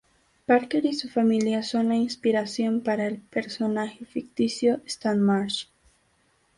Parker y su familia son la inspiración para el personaje ficticio Stan Marsh.